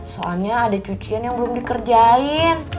soalnya ada cucian yang belum dikerjain